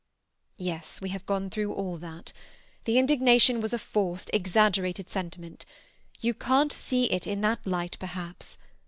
"Yes; we have gone through all that. The indignation was a forced, exaggerated sentiment. You can't see it in that light perhaps.